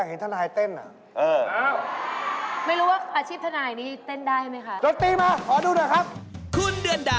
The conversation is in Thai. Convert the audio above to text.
ครับปั๊ดหนึ่งนะ